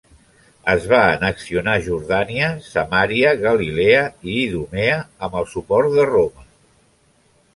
Es va annexionar Jordània, Samaria, Galilea i Idumea, amb el suport de Roma.